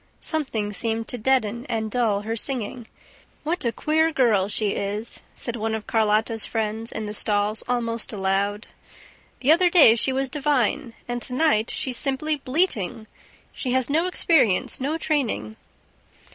Something seemed to deaden and dull her singing... "What a queer girl she is!" said one of Carlotta's friends in the stalls, almost aloud. "The other day she was divine; and to night she's simply bleating. She has no experience, no training."